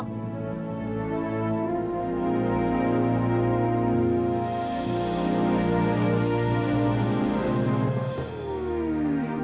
oh bener mabuk aja